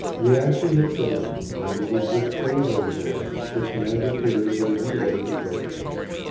Reaction had set in, and it was with quavering voice that Commander Peary gave the order to break camp.